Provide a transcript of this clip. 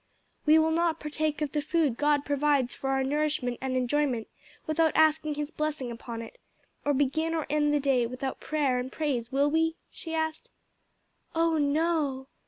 "We will not partake of the food God provides for our nourishment and enjoyment without asking his blessing upon it, or begin or end the day without prayer and praise, will we?" she asked. "Oh no!"